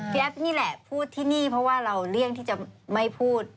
แอฟนี่แหละพูดที่นี่เพราะว่าเราเลี่ยงที่จะไม่พูด